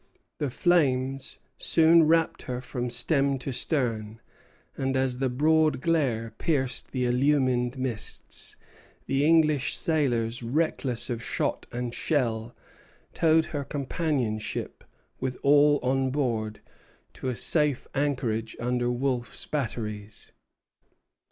The flames soon wrapped her from stem to stern; and as the broad glare pierced the illumined mists, the English sailors, reckless of shot and shell, towed her companion ship, with all on board, to a safe anchorage under Wolfe's batteries.